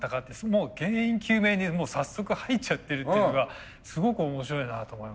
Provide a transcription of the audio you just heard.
もう原因究明に早速入っちゃってるっていうのがすごく面白いなと思いますね。